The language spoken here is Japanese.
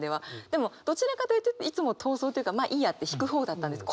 でもどちらかというといつも逃走というかまあいいやって引く方だったんです。